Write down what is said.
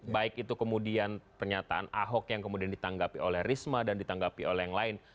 baik itu kemudian pernyataan ahok yang kemudian ditanggapi oleh risma dan ditanggapi oleh yang lain